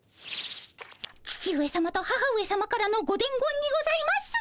父上さまと母上さまからのご伝言にございます。